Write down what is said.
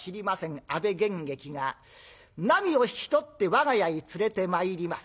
阿部玄益がなみを引き取って我が家へ連れてまいります。